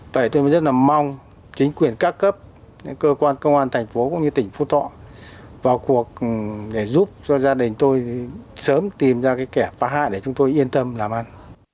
tại tôi rất mong chính quyền các cấp cơ quan công an thành phố cũng như tỉnh phú thọ vào cuộc để giúp cho gia đình tôi sớm tìm ra kẻ phá hại để chúng tôi yên tâm làm ăn